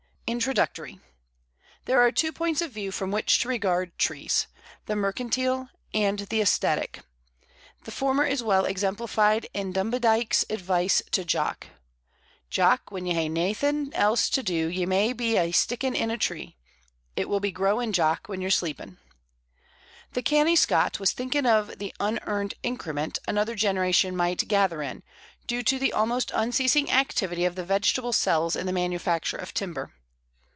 INTRODUCTORY. There are two points of view from which to regard trees the mercantile and the æsthetic. The former is well exemplified in Dumbiedyke's advice to Jock: "Jock, when ye hae naething else to do, ye may be aye sticking in a tree; it will be growing, Jock, when ye're sleeping." The canny Scot was thinking of the "unearned increment" another generation might gather in, due to the almost unceasing activity of the vegetable cells in the manufacture of timber.